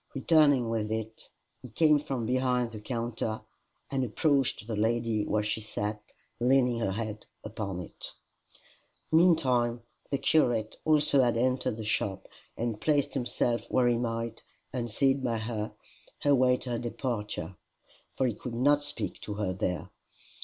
Returning with it he came from behind the counter, and approached the lady where she sat leaning her head upon it. Meantime the curate also had entered the shop, and placed himself where he might, unseen by her, await her departure, for he could not speak to her there.